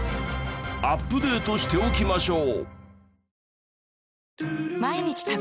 アップデートしておきましょう。